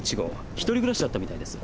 一人暮らしだったみたいです。